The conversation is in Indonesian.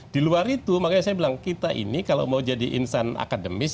di luar itu makanya saya bilang kita ini kalau mau jadi insan akademis